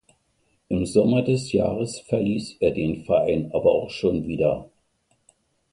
Im Sommer des Jahres verließ er den Verein aber auch schon wieder.